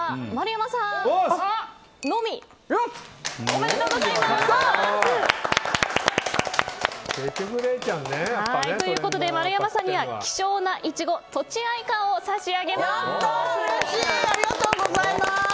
やったー！ということで丸山さんには希少なイチゴとちあいかを差し上げます！